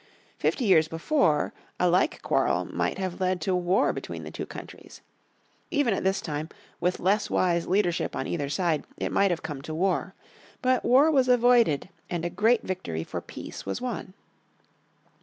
Fifty years before, a like quarrel might have led to war between the two countries. Even at this time, with less wise leadership on either side, it might have come to war. But war was avoided and a great victory for peace was won.